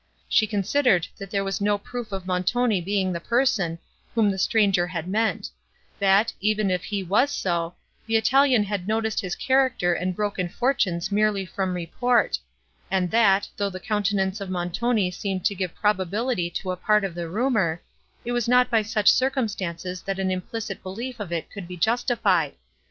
She considered, that there was no proof of Montoni being the person, whom the stranger had meant; that, even if he was so, the Italian had noticed his character and broken fortunes merely from report; and that, though the countenance of Montoni seemed to give probability to a part of the rumour, it was not by such circumstances that an implicit belief of it could be justified.